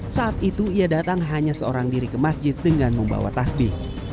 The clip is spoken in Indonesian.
saat itu ia datang hanya seorang diri ke masjid dengan membawa tasbih